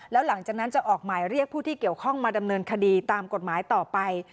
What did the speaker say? แล้วหลังจากนั้นจะออกหมายเรียกผู้ที่เกี่ยวข้องมาดำเนินคดีตามกฎหมายต่อไป